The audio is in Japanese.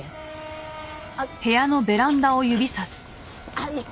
あの。